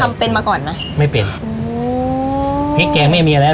ทำเป็นมาก่อนไหมไม่เป็นพริกแกงไม่มีอะไร